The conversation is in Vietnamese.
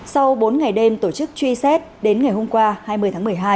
sau bốn ngày đêm tổ chức truy xét đến ngày hôm qua hai mươi tháng một mươi hai